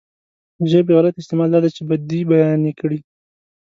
ژبې غلط استعمال دا دی چې بدۍ بيانې کړي.